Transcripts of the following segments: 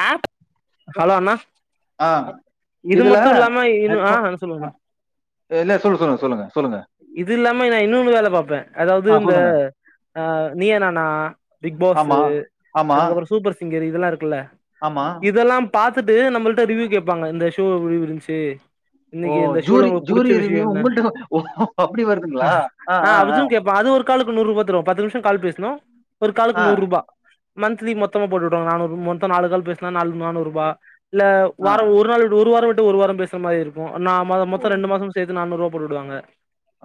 ஆஹ் hello அண்ணா ஆ. இது இதுல மட்டும் இல்லாம இன்னும் ஹெட்ஃபோன் ஆஹ் சொல்லுங்கண்ணா இல்ல சொல்லு சொல்லுங்க சொல்லுங்க இது இல்லாம நா இன்னொன்னு வேலை பாப்பேன் அதாவது ஆ இந்த சொல்லுங்க. ஆஹ் நீயா நானா பிக்பாஸ் ஆமா, ஆமா, அதுக்கப்புறம் சூப்பர் சிங்கர் இதெல்லாம் இருக்குல்ல ஆமா. இதெல்லாம் பாத் த்துட்டு நம்மள்ட்ட ரிவியூ கேட்பாங்க இந்த ஷோ எப்படி இருந்துச்சு ஓ இன்னைக்கு இந்த ஷோல ஜூரி உங்களுக்கு ஜூரி புடிச்ச விஷயோ ரெவியூ என்ன உங்கள்டா தா உங் அப்படி வருதுங்களா ஆஹ் ஆ அதுவு ஆஹ்ஹ் கேப்பா அது ஒரு காலுக்கு நூறு ரூபா தருவாம் பத்து நிமிஷம் கால் பேசணும் ஒரு ஆ, காலுக்கு நூறு ரூபா மந்த்லி மொத்தமா போட்டு விடுவாங்க நானூறு மொத்த நாலு கால் பேசினா நானூறு ரூபா இல்ல ஆ. வாரம் ஒரு நாள் ஒரு வாரம் க்கு ஒரு வாரே பேசற மாரி இருக்கு நா மொத் மொத்தோ ரெண்டுமாச சேத்து நானூரூபா போட்டு உடுவாங்க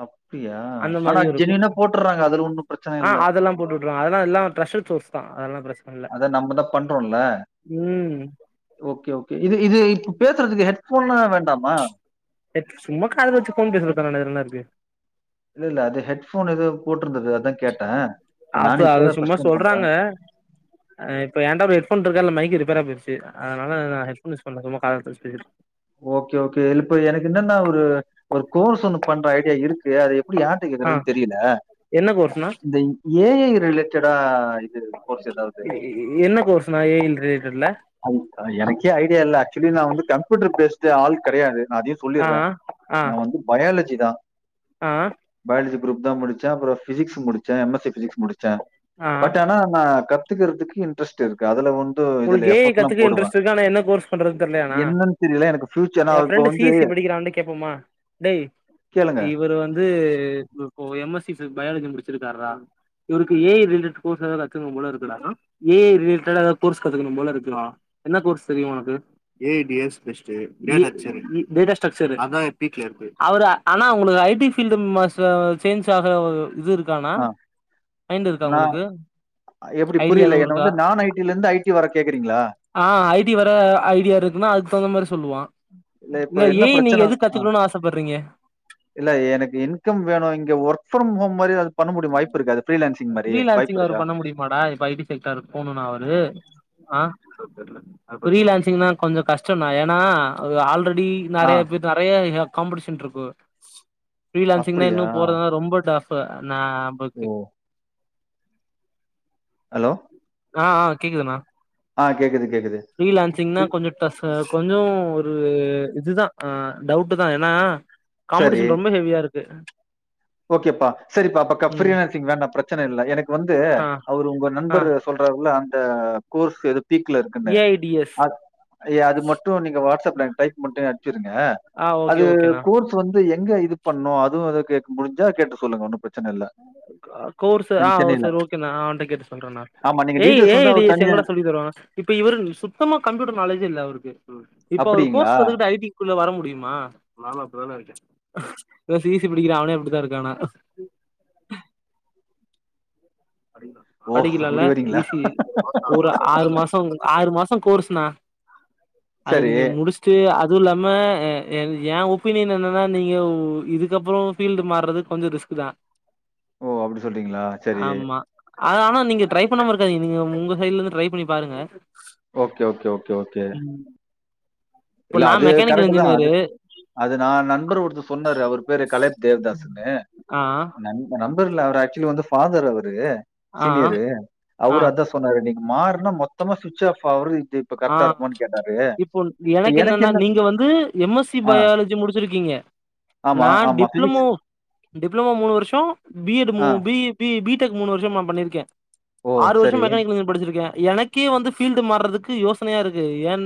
அப்டியா ஆனா ஜென்யூனா போட்றாங்க அதுல ஒன்னு பிரச்சன ஆ இல்ல அதெல்லா போட்டு விட்ருவாங்க அதெல்லா எல்லா ட்ரஷட் சோர்ஸ் தா அதெல்லா பிரச்சன இல்ல அத நம்மதா பண்றோன்ல ம் ஓகே ஓகே இது இது இப்ப பேசுறதுக்கு ஹெட் ஃபோன்லா வேண்டாமா ஹெட் சும்மா காதுல வெச்சு ஃபோன் பேசுறதுக்கு தானடா இதுல என்னா இருக்கு இல்லல்ல அது ஹெட்ஃபோன் ஏதோ போட் அப்ப அத தான் சும்மா ஃபர்ஸ்ட் டைம் பண்றேன். சொல்றாங்க அ இப்ப ஏன்ட ஹெட்பஃபோன் [unintelligible] அதுல மைக்கு ரிப்பேரா போயிருச்சு அதனால நா ஹெட்பஃபோன் யூஸ் பண்ல சும்மா காதுலதா பேசிட்ருக் ஓகே ஓகே இப்ப எனக்கு என்னன்னா ஒரு ஒரு கோர்ஸ் ஒன்னு பண்ற ஐடியா இருக்கு அத எப்பிடி யாருட்ட ஆ கேக்கறதுன்னு தெரியல என்ன கோர்ஸ்ணா இந்த ஏ ஜ ரிலேட் சடா எ-எ-என்ன கோர்ஸ்னா ஏ ஜ ரிலேட்டட்ல எனக்கே ஐடியா இல்ல ஆக்சுவலி நா வந்து கம்ப்யூட்டர் பேஸ்ட் ஆள் கடையாது நா அதையு ஆ சொல்லிடுறே நா வந்து பயாலஜி தா ஆஹ் குரூப் தா முடிச்சே அப்புறோ ஃபிசிக்ஸ் முடிச்சே எம் எஸ் சி ஃபிசிக்ஸ் முடிச்சே ஆ பட் ஆனா நா கத் துக்கிறதுக்கு இன்ட்ரெஸ்ட் இருக்கு அதுல வந் உனக்கு ஏ ஐ [unintelligible] க்குறத்துக்கு இன்ட்ரெஸ்ட் இருக்கு ஆனா என்ன கோர்ஸ் பண்றது தெர்லியாணா என்னன்னு தெரியல எனக்கு ஃபியூச்சர் ஏன் நான் இப்ப ஃப்ரெண்ட் சி வந்து எஸ் சி படிக்கிறா அவ கிட்ட கேப்போமா டேய் கேளுங்க. இவர் வந்து இப்போ எம் எஸ் பிசிக்ஸ் பயாலஜி முடிச்சிருக்காருடா இவருக்கு ஏ ஜ ரிலேடட் கோர்ஸ் ஏதாவது கத்துக்கணு போல இருக்கு டா ஏ ஜ ரிலேடடா ஏதாவது கோர்ஸ் கத்துக்கணும் போல இருக்குடா என்ன கோர்ஸ் தெரியு உனக்கு A I D S best data structure அதா இப்ப பீக்ல இருக்கு அவர் ஆனா உனக்கு ஜ டி ஃபீல்டு மாசோ சேஞ்சாகுற இது இருக்கானா அ மைண்ட் இருக்கா நா உங்களுக்கு எப்பிடி புரியல என்ன வந்து நா ஐ டிலருந்து அ ஐ டி வர ஐடியா இருக்குன்னா அதுக்கு தகுந்த மாரி சொ சொல்லுவா இல்ல இப்ப என்ன ஏ ஐ நீங்க எது பிரச்சனன் அ கத்துக்கணும்னு ஆசைப்படுறீங்க இல்ல எனக்கு இன்கம் வேணு இங்க ஒர்க் ஃப்ரம் ஹோம் மாரி ஏதாவது பண்ண முடியுமா வாய்ப்பு இருக்கா ஃப்ரீலான்சிங் மாரி வாய்ப்பு ஃப்ரீலான்சிங் அவரு இருக்கா? பண்ண முடியுமாடா இப்ப ஐடி செக்டர் போணுனா அவரு அ ஃப்ரீலான்சிங்னா கொஞ்சோ கஷ்டோன்னா ஏன்னா அவர் ஆல்ரெடி அப்டி ஆ நறைய பேர்த் நறைய இங்க காம்படிஷன்ருக்கு ஃப்ரீலான்சிங்னா அப்படியா? இன்னும் போறதுனா ரொம்ப டஃப் ப நா புக்கு அலோ ஆ ஆ கேக்குதுண்ணா கேக்குது. ஃப்ரீலான்சிங்னா ம். கொஞ்சோ டஸு கொஞ்சோ ஒரு இதுதா அ டவுட்டு தா ஏன்னா சரி. காம்படிஷன் ரொம்ப ஹெவியாருக் து ஓகேப்பா செரிப்பா ஃப்ரீனான்சிங் வேண்டா பிரச் சன இல்ல எனக்கு வந்து ஆ அவர் உங்க ஆ நண்பர் சொல்றாருல்ல அந்த கோர்ஸ் எதுப் பீக்குல இருக்குன்னு ஏ ஐ டி எஸ் அத் ஏ அது மட்டு நீங்க வாட்சப் ல டைப் மட்டு அடிச்சிருங்க ஆ ஓகே அது ஓகேண்ணா கோர்ஸ் வந்து எங் ங்க இது பண்ணு அதுவு அதுக்கு முடிஞ்சா கேட்டு சொல்லுங்க ஒன்னும் பிரச் அஹ் கோர்ஸ் ஆ ஓ சென்னையில. சார் ஓகே நா அவன்ட்ட கேட்டு சொல்றண்ணா ஆமா நீங்க ஏய் டீட்டெயில்ஸ் வந்து அவர் ஏடிஎஸ் தனியா எங்கடா சொல்லி தருவாங்க இப்ப இவரு சுத்தமா கம்ப்யூட்டர் நாலேஜே இல்ல அவுருக்கு இப்ப அவுரு அப்படிங்களா? கோர்ஸ் கத்துகுட்டு ஐடி குள்ள வர முட் டியுமா நால அப்டிதானருக்க சிசி படிக்கிறா அவனே அப்டித்தா இருக்கானா ஓ! படிக்கலால்ல அப்படி வரீங்களா? ஈசி ஒரு ஆறு மாசோ ஆறு மாசோ கோர்ஸ்ணா அது சரி. நீங்க முடிஸ்டு அத் அதுவுல்லாம என் ஏ ஒப்பீனியன் என்னன்னா நீங்க உ இதுக்கப்புறோ ஃபீல்டு மாறது கொஞ்சோ ரிஸ்க்குதா ஓ அப்டி சொல்றீங்களா செரி அ ஆனா நீங்க ட்ரை பண்ணாம இருக்காதீங்க நீங்க உங்க சைட்லருந்து ட்ரை பண்ணி பாருங்க ஓகே ஓகே ஓகே ஓகே ம் இப்ப இல்ல நா அது மெக்கானிக்கல் கரெக்ட்டு தா அது இன்ஜினியரு அது நா நண்பர் ஒருத்தர் சொன்னரு அவர் பேரு கலே தேவ்தாசுங்க ஆ நண் [unintelligible] பர்ல அவர் ஆக்சுவலி வந்து ஃபாதர் அவரு ஆ சீனியர்ரு ஆ அவரு அதா சொன்னரு நீங்க மாற்னா மொத்தமா சுச் ஆஃப் ஆவ்றது இ இப்ப ஆ கரக்டா இருக்குமானு கேட்டாரு இப்போ இப்ப எனக்கு என்னன்ன என்ன நீங்க வந்து எம் எஸ் சி ஆ. பயாலஜி முடிச்சிருக்கீங்க ஆமா, நா ஆமா. பிசிக்ஸ் டிப்ளமோ டிப்ளமோ மூணு வருஷோ பியேட் மு ஆ. பி பி பிடக் மூணு வருஷமா பண்ணிருக்கே ஓ! ஆறு வருஷம் சரி. மெக்கானிக்கல் இனிய படிச்சிருக்கேன் எனக்கே வந்து பபீல்டு மாறதுக்கு யோசனையா இருக்கு ஏன்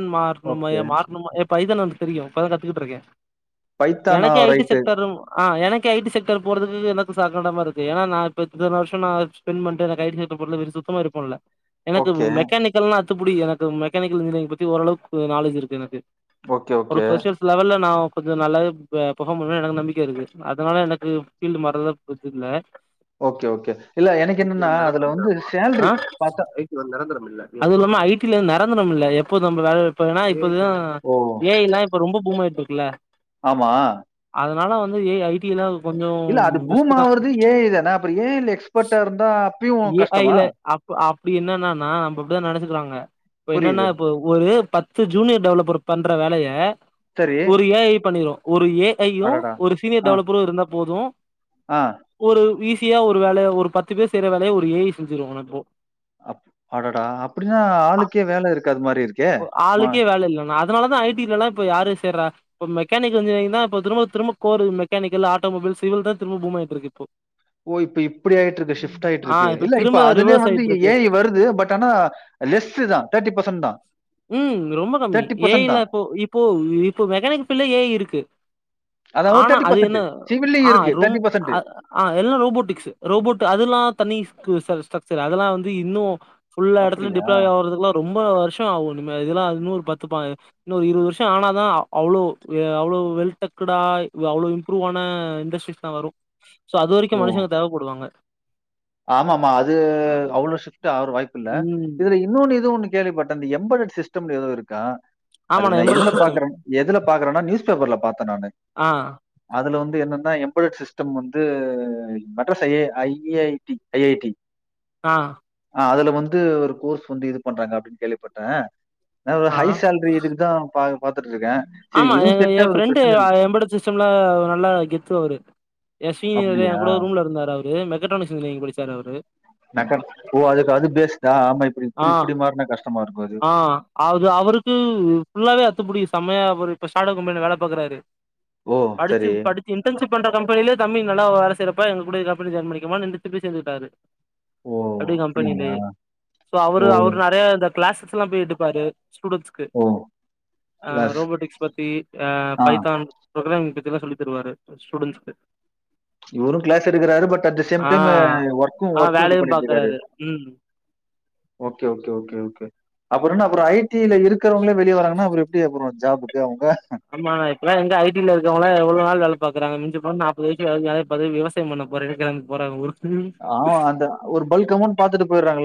ஓகே. மாறணுமய மாறணுமா யேப்பை தான் தெரியும் இபொதா கத்துக்கிட்டு இருக்கேன் பைத்தானா எனக்கெ ஐ டி ரைட்டு. செக்டர் ரொ ஆ எனக்கு ஐ டி செக்டர் போறதுக்கு எனக்கு சகண்டமா இருக்கு ஏன்னா ந இப்பத்தன வருஷம் நா ஸ்பென்ட் பண்டு எனக்கு ஐ டி செக்டர் போறதுல எனக்கு சுத்தமா இருப்பம் இல்ல எனக்கு ஓகே. மெக்கானிக்கல்லாம் அத்துபுடி எனக்கு மெக்கானிக்கல் இன்ஜினியர் பத்தி ஓரளவுக்குநாலேஜ் இருக்கு எனக்கு ஓகே, ஒரு ஓகே. ஃபெரஷெர்ச் லெவல் ந கொஞ்சம் நல்லாவ பர்பார்ம் பண்ண எனக்கு நம்பிக்கை இருக்கு அதனால எனக்கு ஃபீல்டு மரதா பிரச இல்ல ஓகே ஓகே இல்ல எனக்கு என்னன்னா அதுல வந்து சேல்ரி பாத்த அது இல்லாம ஐ டி டில நிரந்தரம் இல்ல எப்போ நம்ம வேல வப்பன இ பதுதா ஓ! ஏ ஐ எல்லாம் இப்ப ரொம்ப பூம் ஆட்டு கல ஆமா அதனால வந்து ஏ ஐ டி லாம் கொஞ்சம் இல்ல அது ரிஸ்க் பூம் தான் ஆவறது ஏஐ தானே அப்புறம் ஏஐல எக்ஸ்பர்ட்டா இருந்தா அப்பயும் ஏ ஐ கஷ்டமா? ல அ அப்படி என்னன்னன்னா நம்ம அப்படிதா நினசுக்கிறாங்க இப்ப என்னன்னா புரியுது. இப்ப ஒரு பத்து ஜூனியர் டெவலப்பர் பண்ணுற வேலையை சரி. ஒரு ஏ ஐ பண்ணிரும் ஒரு ஏ ஐயும் அடடா! ஒரு சீனியர் ஆ, டெவலப்பரும் இருந்தா போதும் ஆ. ஒரு விசி ஈசியா ஒரு வேலைய ஒரு பத்து பேர் செய்யற வேலைய ஒரு ஏ ஐ செஞ்சிரும் இப்போ அப் ஆடடா அ அப்படின்னா ஆளுக்கே வேல இருக்கு [unintelligible] ஆளுக்கே வேல இல்லைன்னா அதனாலதா ஐ டிலலா எல்லாம் இப்ப யாரரு சேருரா மெக்கானிக்கல் இன்ஜினியரிங் தான் இப்ப திரும்ப திரும்ப கோ மெக்கிக்கல் ஆட்டோமொபைல் சிவில் தான் திரும்ப பூம் ஆயிட்டு இருக்கு இப்போ ஓ இப்ப இப்படி ஆயிட்டு இருக்கு ஷிப்ட் ஆயிட்டு ஆ இருக்கு இல்ல இப்ப திரும்ப அதுலே ரிவர்ஸ் வந்து ஆயிட்ருக்கு ஏ வருது பட் ஆனா லெஸ்சு தான் தேர்ட்டி பர்சன் தான். உம் ரொம்ப கம்மி ஏ ஐ தான். எல்லாம் இப்போ இப்போ இப்போ மெக்கானிக் ஃபீல்டு ல ஏ ஐ இருக்கு அதாவது ஆனா அது என்ன சிவில்லயும் ஆ இருக்கு. ரோம் ஆ எல்லாம் ரோபோட்டிக்ஸ் ரோபோட் அதுல்லா தண்ணி கூசார் ஸ்டக்சர் அதெல்லா வந்து இன்னு புல்லா எடத்துலயு அப்படியா? டிப்லாமோ வரத்து குலா ரொம்ப வருஷ் ஆ ஒன்னுமே இதெல்லா இன்னோர் பத்து பா இன்னொரு இருவது வருஷோ ஆனா தா அவ்ளோ ஆ அவ்ளோ வெல்த் டக்குடா அவ்ளோ இம்ப்ரூவ் ஆனா இண்டஸ்ட்ரிஸ் தா வரு சோ அது வரைக்கு மனுஷங்க தேவப்படுவாங்க ஆமா மா அது அவ்ளோ ஷிப்ட் ஆற வாய்ப்பு இல்ல ம் இதுல இன்னொன்னு இதுவு ஒன்னு கேள்விப்பட்ட அந்த எம்பது சிஸ்டம்ல ஏதோ இருக்கா அது ஆமாண்ணா நா எம்பெடட் எதுல சிஸ்டம் பாக்கறே எதுல பாக்கறேனா நியூஸ் பேப்பர்ல பாத்தே நானு ஆ அதுல வந்த் என்னென்னா எம்போர் சிஸ்டம் வந்து மெட்ராஸ் ஐ எ ஐ ஜ டி ஐ ஐ டி ஆ அதுல வந்து ஒரு கோர்ஸ் வந்து இது பண்றாங்க அப்படின்னு கேள்விப்பட்டே நா ஒரு ஆ ஹை சேல்ரி இதுக்குதா பா பார்த்துட்டு இருக்கேன். சரி ஆமா இதுவும் செட் என் ஆகுது ஃப்ரெண்டு பிரச்சனை இல்ல. எம்பட சிஸ்டம்ல நல்லா கெத்து அவரு எ சீனியரு எ அப்படியா? கூட ரூம்ல இருந்தாரு அவரு இது மெக்கற்றானிக்ஸ் இன்ஜினியரிங் படிச்சார் அவரு நக்கன் ஓ அதுக்கு அது பேஸ் ஆ அது. ஆ அது அவருக்கு ஃபுல்லாவே அத்துப்படி செமையா அவரு இப்ப சாடோ கம்பனில வேல பாக்கறாரு ஓ! படிச்சு சரி. படிச்ச இன்டர்ன்ஷிப் பண்ற கம்பெனிலயே தமி நல்லா வேல செய்றப்ப எங்க கூட கம்பெனி ஜாயின் பணிக்காம நின்று திரும்பி சேந்துக்கிட்டாரு ஓ அப்டியே அப்படிங்களா கம்பெனிலயே சோ அவரு ஓ! அவரு நெறைய இந்த கிளாஸஸ்லா போயிட்டுப்பாரு ஸ்டுடன்ஷ்கு ஓ! ஆ கிளாஸ். ரோபோட்டிக்ஸ் பத்தி ஆ பைத்தான் ப்ரோக்ராம் பத் சொல்ல தருவாரு ஸ்டூடென்ஸ்க்கு இவரு கிளாஸ் எடுக்கிறாரு பட் அட் த சேம் ஆ டைம் ஒர்க்கு ஆ ஒர்க்கு இது வேலையு பண்ணிட்டிருக்காரு பாக்குறாரு ம் ஓகே ஓகே ஓகே ஓகே அப்புற என்னா அப்புறோ ஐடில இருக்கிறவங்களே வெளிய வராங்கன்னா அப்புறோ எப்படி அப்புறோ ஜாபுக்கு அவுங்க ஆமா இப்பலா எங்க ஐடில இருக்கவங்களா எவ்ளோ நாள் வேல பாக்குறாங்க மிஞ்சு நாப்பது வயசுல [unintelligible] விவசாயம் பண்ண போறனு கிளம்பி போறாங்க ஊருக்கு ஆ அந்த ஒரு பல்க் அமௌன்ட் பாத்துட்டு போயிறாங்கா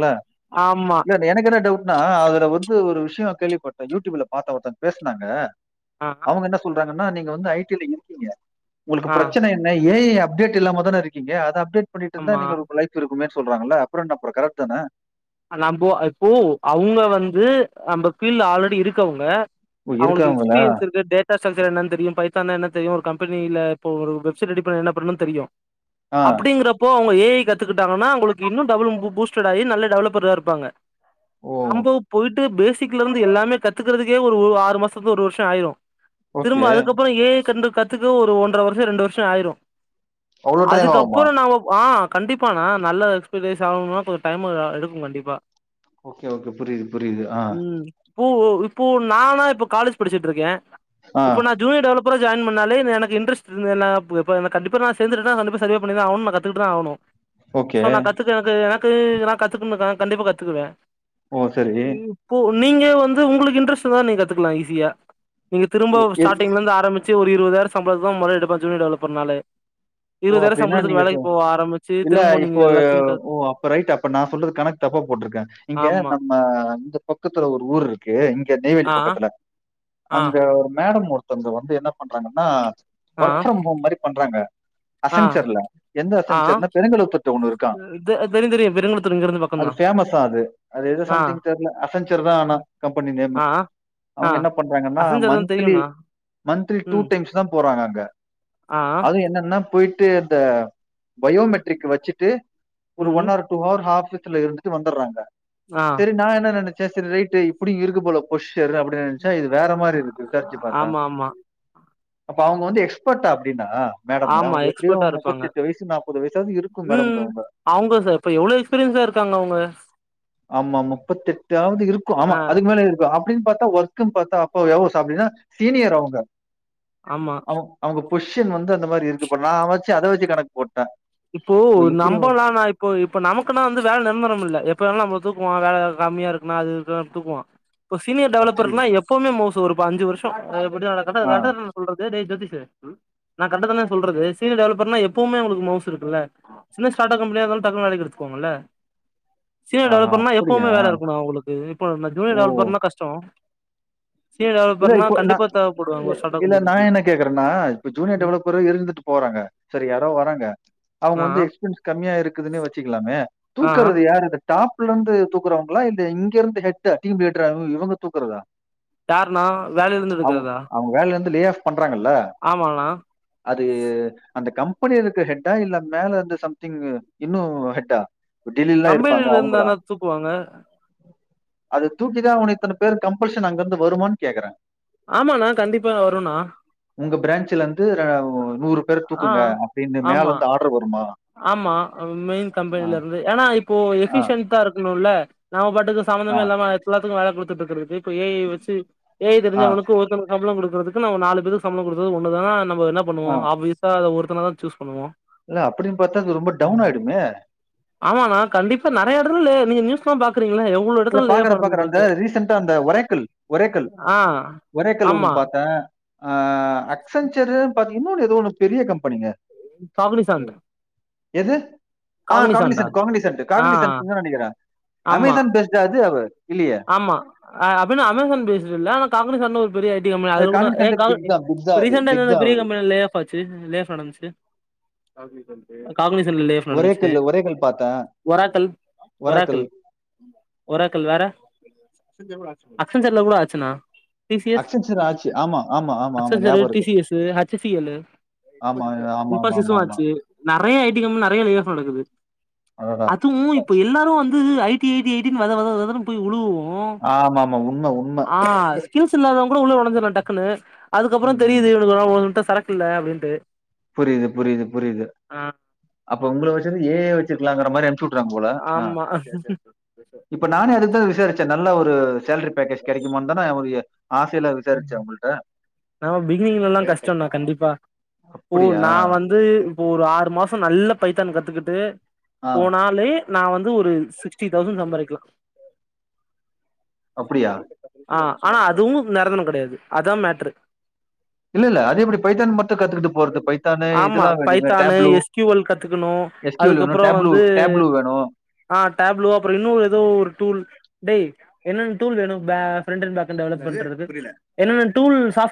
ஆமா இல்ல எனக்கு என்ன டவுட்னா அதுல வந்து ஒரு விஷ் கேள்விப்பட்டே யூடியூப்ல பாத்த ஒருத்த பேசினாங்க ஆ அவுங்க என்ன சொல்றாங்க சொன்னா நீங்க வந்து ஐ டி ல இருக்கீங்க ஒங்களுக்கு ஆ பிரச்சன என்ன ஏ ஐ அப்டேட் இல்லாம தான இருக்கீங்க அது அப்டேட் டுதா ஆமா நீங்களுக்கு லைஃப் இருக்கு மே சொல்றாங்கள அப்ற என்ன ப்ரோ கரெட் தான நம்ப இப்போ அவங்க வந்து அம்ப கீழ ஆல்ரெடி இருக்கவங்க ஓ அவங்களுக்கு இருக்காங்களா? எக்ஸ்பீரியன்ஸ் இருக்குது டேட்டாஸம்ஸ் என்னானு தெரியு பைத்தான்னா என்னா தெரியு ஒரு கம் ஃபனில இப்ப ஒரு வெப்சைட் ரெடி பண்ணி என்ன பண்ணணுன் தெரியு ஆ. அப்படிங்கறப்போ உங்க ஏ ஐ கத்துக்கிட்டாங்கன்னா உங்களுக்கு இன்னு டபுள் பூ பூஸ்ட்டடு ஆகி நல்ல டெவளப் பரா இருப்பாங்க ஓ நம்போ போயிட் டு பேசிக்ல இருந்து எல்லாமே கத்துக்கறதுக்கே ஒரு ஒ ஆறு மாசத்து ஒரு வருஷொ ஆயிரு ஓகே. திரும்ப அதுக்கப்பறொ ஏ ஐ கண்டு கத்துக்க ஒரு ஒன்ற வருஷொ ரெண்டு வருஷ ஆயிரு அவ்ளோ டைம் ஆகுமா? அதுக்கப்பறொ நாம ஆ கண்டிப்பாணா நல்ல எக்ஸ்பீரியன்ஸ் ஆகணுனா கொஞ்சொ டைமு அ எடு கு கண்டிப்பா ஓகே ஓகே புரியுது புரியுது ஆ ப்பு இப்பு நானா இப்போ காலேஜ் படிச்சுட்டுருக்கே ஆ. இப்போ நா ஜூனியர் டெவலப் பரா ஜாயின் பண்ணாலே என எனக்கு இட்ரஸ்ட் [unintelligible] கண்டிப்பா நா சேந்துட்டனா கண்டிப்பா சர்வே பண்ணிதா ஆகனு நா கத்துக்கட்டுதா ஆவனு ஓகே. சோ நா கத்துக்கறக்கு எனக் க்கு நா கத் த்துக்குமக்கா கண்டிப்பா கத்துக்குவே ஓ சரி இப்போ நீங்க வந்து உங்களுக்கு இன்ட்ரெஸ்ட் இருந்தா நீங் கத்துக்கலா ஈஸியா நீங்க திரும்பவு இ ஸாட்டிங்ல இருந்து ஆரம்பிச் ச்சு ஒரு இருவதாயிரொ சம்பதா மொறயா [unintelligible] டெவலப் பண்ணாலே ஓ அப்டின்னா நீங்க சொ ஆரம்பிச்சு இல்ல திரும்ப நீங்க இப்போ எல்லாத்தையு க ஓ அப்ப ரைட் அப்ப நா சொல்றது கணக்கு தப்பா போட்டுருக்க இங்க ஆமா நம்ம இந்த பக்கத்துல ஒரு ஊர் ருக்கு இங்கெ நெய்வேலி ஆ பக்கத்துல ஆ அங்க ஒரு மே மேடம் ஒருத்தங்க வந்து என்ன பண்றாங்கன்னா ஆ ஒர்க் ஃப்ரம் ஹோம் மாரி பண்றாங்க ஆ அசஞ்சர்ல எந்த ஆ அசஞ்சர்னா பெருங்களுத்துர்ட்ட ஒன்னு இருக்கா தெரியு தெரியு பெருங்குளத்தூர் இங்க இருந்து அது பக்கந்தா பேமஸ்ஸா அது அது எதோ ஆ சம்திங் தெர்ல அசஞ்சர்தா ஆ ஆனா கம்பெனி நேம் ஆ ஆ அவங்க என்ன பண்றாங்கன்னா அசஞ்சர்தா மன்த்லி தெரியுண்ணா மன்த்லி டூ ம் டைம்ஸ்தா போறாங்க அங்க ஆ அதுவு என்னன்னா போயிட்டு இந்த பயோமெட்ரிக் வச்சுட்டு ஒரு ம் ஒன் ஹவர் டூ ஹவர் ஆப் ஸ்ல இருந்துட்டு வந்தடுறாங்க ஆ சரி நா என்ன நெனச் சரி சரி ரைட் இப்படிய இருக்கு போல போஷி சன் அப்படின்னு நெனச்சேன் இது வேற மாரி இருக்கு விசாரிச்சு பார்த்தா ஆமா ஆமா அப்ப அவங்க வந்து எக்ஸ்பர்டா அப்படினா மேடம் ஆமா எப்டியு எக்ஸ்பர்ட்டா இருப்பாங்க முப்பத்தெட்டு வயசு நாப்பது வயசாவது இருக்கு மேடம்க்கு உம் அவங்க அவங்க எவ்ளோ எக்ஸ்பீரியன்ஸ்ஸா இருக்காங்க அவங்க ஆமா முப்பத்தி எட்டாவது இருக்கும் ஆமா ஆ அதுக்கு மேல இருக்கும் அப்படின்னு பாத்தா ஒர்க்குனு பாத்தா அப்ப எவ்ளோ வருஷம்னா சீனியர் அவங்க ஆமா அவங் அவங்க பொஷிசன் வந்து அந்த மாரி இருக்கு இப்ப நான்மைச்சு அத வச்சு கணக்கு போட்டேன் இப்போ நம்மல்லாம் நா இப்போ இப்ப நமக்குனா வந்து வேல நிரந்தரம் இல்ல எப்ப வேணாலும் நம்ம தூக்குவான் வேல கம்மியா இருக்கன்னா அது இருக்கு தூக்குவான் ஒரு சீனியர் அப்டியா டெவலப்பர்ன எப்பவுமே மௌஸ் ஒரு ப அஞ்சு வருஷம் மச்சி நா கரெட்டா ஆ கரெக்ட்தானே சொல்றது டே சதிஷ் நா கரேட்டத்தானே சொல்றது சீனியர் டெவலப்பர்ன எப்பவுமே அவங்களுக்கு மவுசு இருக்குல்ல சின்ன ஸ்டார்ட் அப் கம்பெனியா இருந்தாலும் டக்குன்ன வேலைக்கு எடுத்துக்குவங்கல்ல சீனியர் ஆஹா டெவலப்பர்னா அப்டியா எப்பவுமே வேல இருக்கணும் உங்களுக்கு இப்போ ந ஓ ஜூனியர் டெவலப்பர்னா கஷ்டம் இல்ல இப்போ நா தேவப்படுவாங்க ஒரு ஸ்டார்ட் அப் இல்ல நா கம்பெனிக்கு என்ன கேக்கறேன்னா இப்ப ஜூனியர் ம் டெவலப்பர இருந்துட்டு போறாங்க சரி யாரோ வரங்க அவங்க ஆ வந்து எக்ஸ்பீரியன்ஸ் கம்மி யா இருக்குதுன்னு வச்சுக்கலாமே ஆ தூக்கறது யாரு அந்த டாப் ல இருந்து தூக்கறங்களா இல்ல இங்க இருந்து ஹெட் டீம் லீடற இவங்க தூக்கறதா யாருன்னா வேலயில இருந்து எடுக்கறதா ராங்கல்ல ஆமாண்ணா அது அந்த கம்பெனி கம்பெனி ஹெட்டா இல்ல மேல வந்து சம்திங் இன்னும் ஹெட்டா டெல்லிலலாம் இருப்பாங்க கம்பெனில இருந்தானா தூக்குவாங்க அது தூக்கிதா உன இத்தனை பேர் கம்பல்ஷன் அங்கிருந்து வருமான் கேக்குறேன் ஆமாண்ணா கண்டிப்பா வரும்ண்ணா உங்க பிரான்ச்ல நூறு பேர் ஆ தூக்குங்க அப்டின்னு மேல ஆமா வந்து ஆர்டர் வருமா ஆமா மெயின் ஆ, கம்பெனில இருந்து ஏனா இப்போ ஆ, எஃபிஷன்டா இருக்கணும்ல நாம பா ஆ, சம்பந்தமே இல்லாம எல்லத்துக்கும் வேலை கொடுத்து [unintelligible] ஏஐ வச்சு ஏஐ ஆ, தெரிஞ்சவனுக்கு ஒருத்தனுக்கு கம்பளம் கொடுக்க க்கு நம் நாலு பேரு சம்பளம் கொடுக்கறது ஒன்னு தான் நம்ம என்ன பண்ணுவோ ஆ. ஆப்வீசா அதை ஒரு ன தான் சூஸ் பண்ணுவோ இல்ல அப்டின்னு பாரத்தா அது ரொம்ப டவுன் ஆயிடுமே ஆமாண்ணா [unintelligible] இல்ல எடத்துல லே ஆஃப் பாக்ற பாக்ற நடந்துகிட்டு அந்த இருக்கு ரீசண்டா அந்த ஒரைக்கல் ஒரைக்கல் ஆ ஒரைக்கல் ஆமா ஒன்னு பாத்தே அ அசன்செரு பாத் இன்னொன் னு பெரிய கம்பெனிங்க காக்னி சாந்த் எது ஆ காக்னிசந்த் காக்னிசந்த் ஆ காக்னிசந்தா நினக்கிறே ஆமா அமேசான் பெஸ்ட் அது இல்லையே? ஆமா ஆ அப்டின்னு அமேசான் பேசிட்டு இல்ல ஆனா காகனி சாந்த் ஒரு பெரிய ஐ டீ கம்பெனி அதுல கூட காக்னிசன்ட் காக் பிக் ஏ தான் பிக் தான் அது. ரீசன்டா பிக் எந்தந்த தான் பெரிய அவரு. கம்பெனில லேயாஃப் ஆச்சி லே ஆஃப் நடந்துச்சு காக்னிசன்ட் லேஆஃப் நடந்துச்சு ஒரேக்கிள் ஒரேக்கிள் பார்த்தேன். ஒராக்கள் ஒரேக்கிள் ஒராக்கள் ஒராக்கள் வேற அக்ஸன்ச்சர்ல கூட ஆச்சுன்னா டீ. ஸி. எஸ் அக்சென்சர் ஆச்சு. ஆமா, ஆமா, ஆமா, ஆமா. அஸ்ஸென்ச்சரு ஞாபகம் டீ. இருக்கு. C. S, H. C L ஆமா, ஆமா, ஆமா, ஆமா, இன்ஃபாஸ்ஸும் ஆமா. ஆச்சி நெறைய ஐடிக் கம் நெறைய லேஆஃப் நடக்குது அடடா! அதுவும் இப்ப எல்லாரு வந்து ஐடி டி ஐ டினு வத வதனு போய் உழுவும் ஆமா ஆமா உண்ம உண்ம கிருச இல்லாதவ கூ உள்ளே உஞ்சிடலாம் டக்குனு [unintelligible] அதுக்கப்புறோ ம், ம். தெரியிது சறக்கு இல்ல அப்டின்ட்டு புரியுது புரியுது புரியுது ஆ அப்பு உங்கள வச்சது ஏஅய் [unintelligible] உக்கடம் போல ஆ ஆமா இப்போ நானே அடுத்து சரிசரி நல்ல ஒரு செலாரி பேக்கேஜ் கிடைக்குமா தான அசைல்ல விசாரிச்ச உள்ல நம்ம பிகினிங்ல எல்லாம் கஷ்டம்த கண்டிப்பா ஓ அப்படியா? நா வந்து இப்போ ஒரு ஆறு மாசம் நல்ல பைத்தான் கத்துக்கிட்டு ஆ போனாலே நா வந்து ஒரு சிக்சிட்டி தவுசெண்ட் சம்பாதிக்கலாம் அப்டியா ஆஹ் ஆனா அதுவும் நிரந்தரம் கிடையாது அதான் மேட்டரு இல்ல, இல்ல. அது எப்படி பைத்தான் மட்டும் கத்துக்கிட்டு போறது? பைத்தானு ஆமா இதெல்லாம் வேணுமே. பைத்தானு டேப்லூ, எஸ்கயூவல் கத்துக்கணும் எஸ் க்யூ எல் வேணும். அதுக்கப்புறம் டேப்லூ வந்து டேப்லூ வேணும். ஆஹ் டேப்லோ அப்புறம் இன்னொரு ஏதோ ஒரு டூல் ட என்ன டூல் வேணும் ஃப்ரெண்ட் அண்ட் பாக் டெவலப் பண்ணுறது என்னன்ன டூல் சாப்ட்வேர்